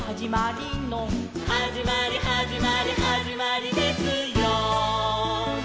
「はじまりはじまりはじまりですよ」